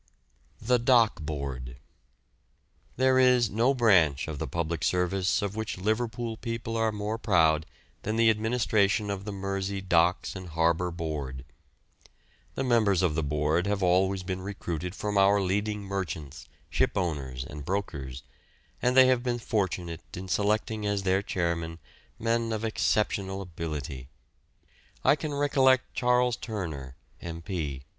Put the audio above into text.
THE DOCK BOARD. There is no branch of the public service of which Liverpool people are more proud than the administration of the Mersey Docks and Harbour Board. The members of the Board have always been recruited from our leading merchants, shipowners, and brokers, and they have been fortunate in selecting as their chairmen men of exceptional ability. I can recollect Charles Turner, M.P.